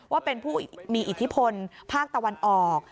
ว่าเป็นผู้มีอิทธิพลภาคตะวันออก